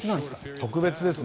特別ですね。